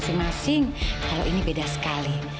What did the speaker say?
masing masing kalau ini beda sekali